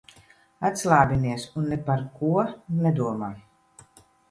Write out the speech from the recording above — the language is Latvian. Atslābinies un ne par ko nedomā.